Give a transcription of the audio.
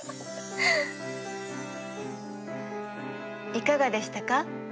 いかがでしたか？